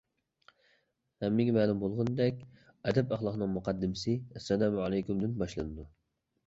ھەممىگە مەلۇم بولغىنىدەك، ئەدەپ-ئەخلاقنىڭ مۇقەددىمىسى «ئەسسالامۇئەلەيكۇم» دىن باشلىنىدۇ.